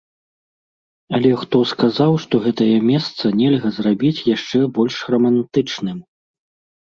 Але хто сказаў, што гэтае месца нельга зрабіць яшчэ больш рамантычным?